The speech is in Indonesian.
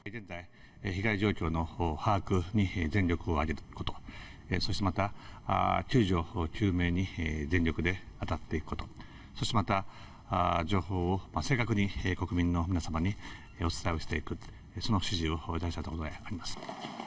jepang juga mengucapkan terima kasih kepada jepang yang telah menerima informasi terkini